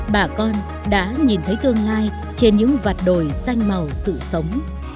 bà con đã nhìn thấy tương lai trên những vặt đồi xanh màu sự sống